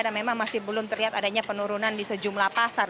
dan memang masih belum terlihat adanya penurunan di sejumlah pasar